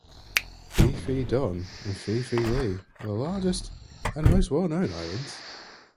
Phi Phi Don and Phi Phi Lee are the largest and most well-known islands.